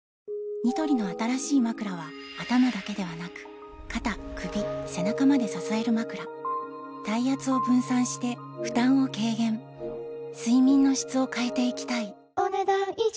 ニトリの新しいまくらは頭だけではなく肩・首・背中まで支えるまくら体圧を分散して負担を軽減睡眠の質を変えていきたいお、ねだん以上。